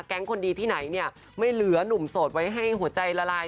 คนดีที่ไหนเนี่ยไม่เหลือหนุ่มโสดไว้ให้หัวใจละลาย